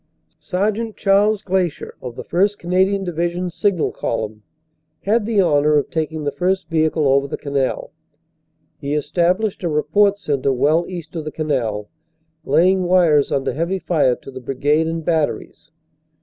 Sergt. Chas. Glaysher, of the 1st. Canadian Division Signal Column, had the honor of taking the first vehicle over the canal. He established a report centre well east of the canal, laying wires under heavy fire to the Brigade and Batteries.